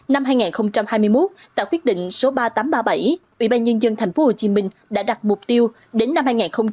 năm hai nghìn hai mươi một tại quyết định số ba nghìn tám trăm ba mươi bảy ubnd tp hcm đã đặt mục tiêu đến năm hai nghìn ba mươi